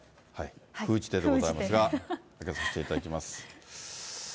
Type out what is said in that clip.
封じ手でございますが、開けさせていただきます。